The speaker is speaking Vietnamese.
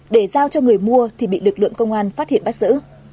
để giao cho người mua thì bị lực lượng công an phát hiện bắt giữ